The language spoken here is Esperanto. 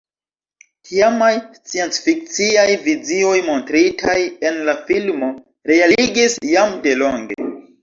Tiamaj sciencfikciaj vizioj montritaj en la filmo realigis jam delonge.